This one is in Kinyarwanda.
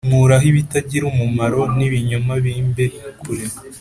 Nkuraho ibitagira umumaro n’ibinyoma bimbe kure